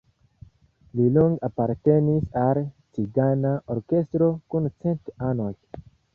Li longe apartenis al "Cigana Orkestro kun cent anoj".